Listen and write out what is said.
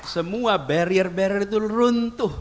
semua barrier barrier itu runtuh